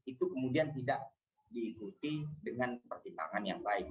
itu kemudian tidak diikuti dengan pertimbangan yang baik